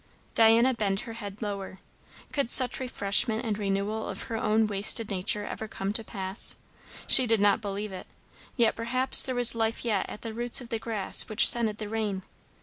'" Diana bent her head lower. Could such refreshment and renewal of her own wasted nature ever come to pass? She did not believe it; yet perhaps there was life yet at the roots of the grass which scented the rain.